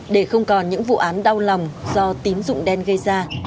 để không còn những vụ án đau lòng do tín dụng đen gây ra